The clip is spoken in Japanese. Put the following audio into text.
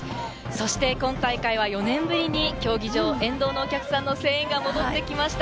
そして今大会は４年ぶりに競技場、沿道のお客さんの声援が戻ってきました。